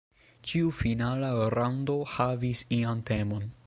Ĉiu finala raŭndo havis ian temon.